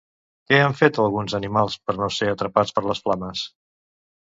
Què han fet alguns animals per no ser atrapats per les flames?